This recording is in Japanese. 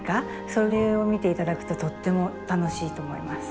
それを見て頂くととっても楽しいと思います。